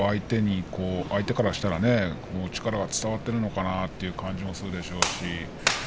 相手からしたら力が伝わっているのかな？という気もするんでしょう。